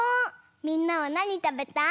みんなはなにたべたい？